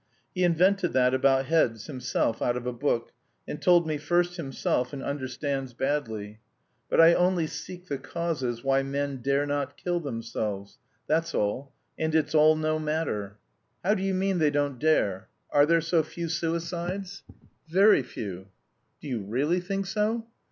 "He invented that about heads himself out of a book, and told me first himself, and understands badly. But I only seek the causes why men dare not kill themselves; that's all. And it's all no matter." "How do you mean they don't dare? Are there so few suicides?" "Very few." "Do you really think so?"